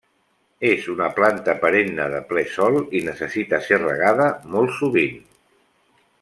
És una planta perenne de ple sol i necessita ser regada molt sovint.